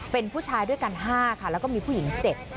เป็นผู้ชายด้วยกัน๕ค่ะแล้วก็มีผู้หญิง๗